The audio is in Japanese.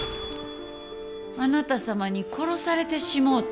あなた様に殺されてしもうた。